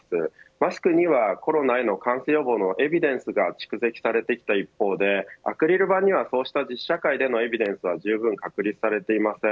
マスクにはコロナへの感染予防のエビデンスが蓄積されてきた一方でアクリル板にはそうした実社会でのエビデンスはじゅうぶん確立されていません。